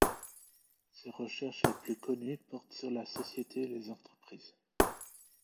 Ses recherches les plus connues portent sur la société et les entreprises.